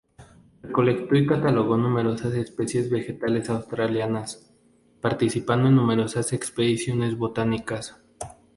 Recolectó y catalogó numerosas especies vegetales australianas, participando en numerosas expediciones botánicas.